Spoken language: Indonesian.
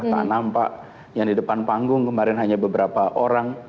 tak nampak yang di depan panggung kemarin hanya beberapa orang